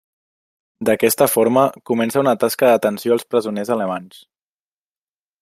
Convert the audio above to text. D'aquesta forma, comença una tasca d'atenció als presoners alemanys.